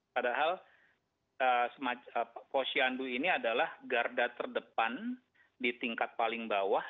padahal posyandu ini adalah garda terdepan di tingkat paling bawah